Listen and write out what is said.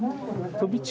飛び地。